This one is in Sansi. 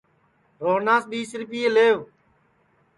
روہناس ٻیس رِپئے لیوَ